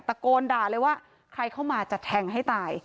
ตะโกนด่าเลยว่าใครเข้ามาจะแทงให้ตาย